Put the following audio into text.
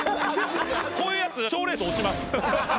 こういうやつ賞レース落ちます。